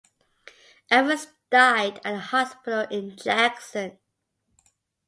Evers died at the hospital in Jackson.